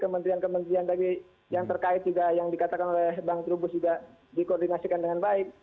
kementerian kementerian yang terkait juga yang dikatakan oleh bang trubus juga dikoordinasikan dengan baik